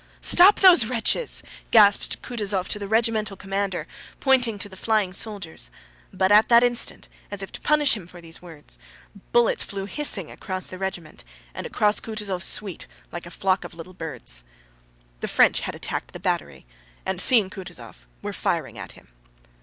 "Stop those wretches!" gasped Kutúzov to the regimental commander, pointing to the flying soldiers; but at that instant, as if to punish him for those words, bullets flew hissing across the regiment and across Kutúzov's suite like a flock of little birds. The French had attacked the battery and, seeing Kutúzov, were firing at him.